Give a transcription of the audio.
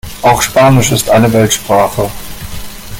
Auch Spanisch ist eine Weltsprache.